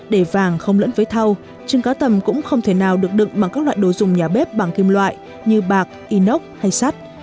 để vàng không lẫn với thâu trứng cá tầm cũng không thể nào được đựng bằng các loại đồ dùng nhà bếp bằng kim loại như bạc inox hay sắt